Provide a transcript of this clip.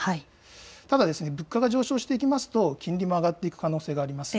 ただ物価が上昇していきますと金利も上がっていく可能性があります。